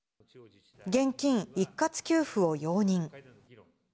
現金一括給付を容認。